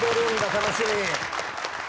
楽しみ。